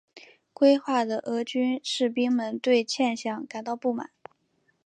归化的俄军士兵们对欠饷感到不满。